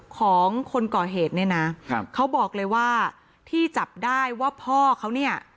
ของคนก่อเหตุเนี่ยนะครับเขาบอกเลยว่าที่จับได้ว่าพ่อเขาเนี่ย